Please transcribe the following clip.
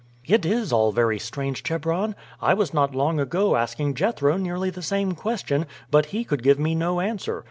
"It is all very strange, Chebron. I was not long ago asking Jethro nearly the same question, but he could give me no answer.